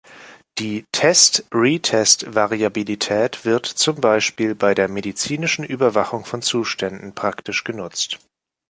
Die Test-Retest-Variabilität wird z. B. bei der medizinischen Überwachung von Zuständen praktisch genutzt.